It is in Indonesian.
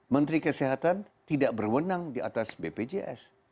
menteri kesehatan tidak berwenang di atas bpjs